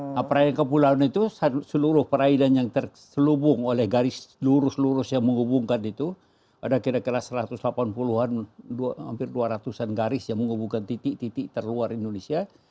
nah perairan kepulauan itu seluruh perairan yang terselubung oleh garis lurus lurus yang menghubungkan itu ada kira kira satu ratus delapan puluh an hampir dua ratus an garis yang menghubungkan titik titik terluar indonesia